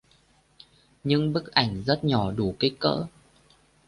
Những bức ảnh rất nhỏ đủ kích cỡ